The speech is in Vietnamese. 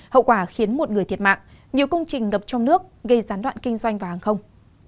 hậu quả khiến một người thiệt mạng nhiều công trình ngập trong nước gây gián đoạn kinh doanh và hàng không